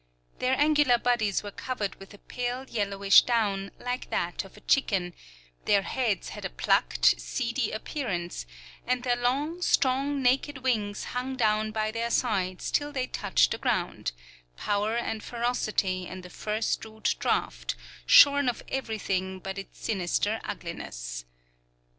Their angular bodies were covered with a pale yellowish down, like that of a chicken; their heads had a plucked, seedy appearance; and their long, strong, naked wings hung down by their sides till they touched the ground: power and ferocity in the first rude draught, shorn of everything but its sinister ugliness.